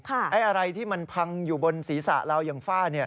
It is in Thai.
ไอ้อะไรที่มันพังอยู่บนศีรษะเราอย่างฝ้า